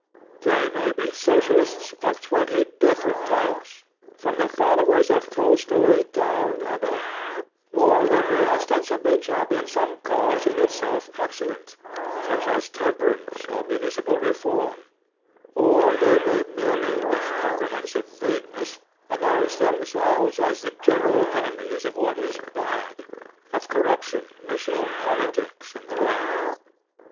They may be socialists of twenty different types, from the followers of Tolstoi down and up, or they may ostensibly champion some cause in itself excellent, such as temperance or mimicipal reform, or they may merely with com prehensive vagueness annoimce themselves as the general enemies of what is bad, of corruption, machine politics, and the like.